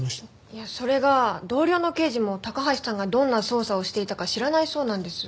いやそれが同僚の刑事も高橋さんがどんな捜査をしていたか知らないそうなんです。